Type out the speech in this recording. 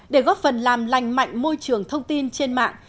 để góp phần làm lành mạnh môi trường thông tin trên mạng